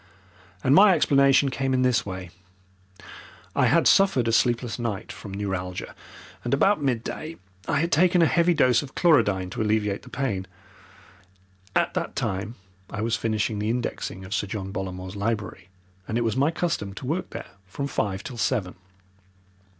And my explanation came in this way. I had suffered a sleepless night from neuralgia, and about midday I had taken a heavy dose of chlorodyne to alleviate the pain. At that time I was finishing the indexing of Sir John Bollamore's library, and it was my custom to work there from five till seven.